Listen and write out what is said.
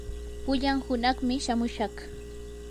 pullan hunaqmi shamushaq.